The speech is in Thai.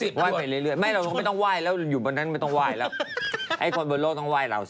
๕๐ดวงไหว้ไปเรื่อยไม่เราก็ไม่ต้องไหว้เราอยู่บนนั้นไม่ต้องไหว้เราไอ้คนบนโลกต้องไหว้เราสิ